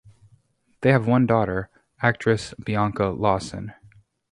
They have one daughter, actress Bianca Lawson.